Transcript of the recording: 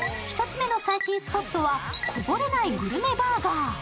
１つ目の最新スポットはこぼれないグルメバーガー。